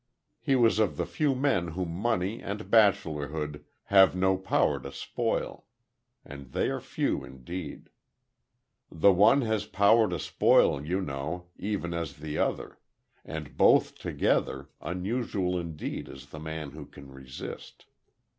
He was of the few men whom money, and bachelorhood, have no power to spoil. And they are few indeed. The one has power to spoil, you know, even as has the other; and both together unusual indeed is the man who can resist.